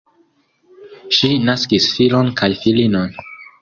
Ŝi naskis filon kaj filinon.